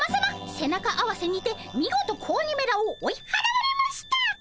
背中合わせにて見事子鬼めらを追い払われました！